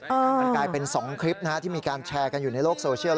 มันกลายเป็น๒คลิปที่มีการแชร์กันอยู่ในโลกโซเชียล